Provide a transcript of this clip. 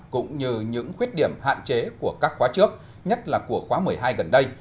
cũng như những khuyết điểm hạn chế của các khóa trước nhất là của khóa một mươi hai gần đây